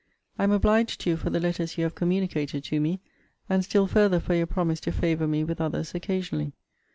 I am obliged to you for the letters you have communicated to me; and still further for your promise to favour me with others occasionally.